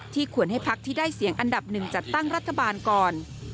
ควรให้พักที่ได้เสียงอันดับหนึ่งจัดตั้งรัฐบาลก่อน